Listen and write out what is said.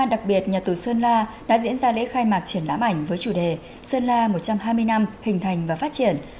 đặc biệt nhà tù sơn la đã diễn ra lễ khai mạc triển lãm ảnh với chủ đề sơn la một trăm hai mươi năm hình thành và phát triển